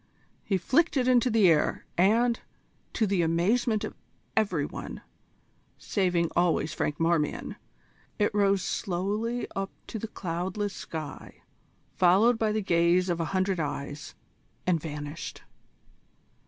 He flicked it into the air, and, to the amazement of every one, saving always Franklin Marmion, it rose slowly up to the cloudless sky, followed by the gaze of a hundred eyes, and vanished.